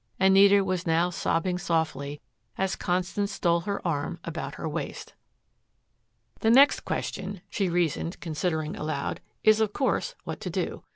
Anita was now sobbing softly, as Constance stole her arm about her waist. "The next question," she reasoned, considering aloud, "is, of course, what to do?